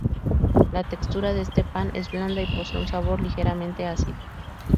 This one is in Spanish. La textura de este pan es blanda y posee un sabor ligeramente ácido.